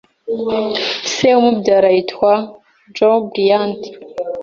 Se umubyara yitwa Joe Bryant